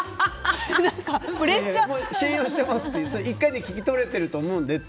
１回で聞き取れてると思うのでって。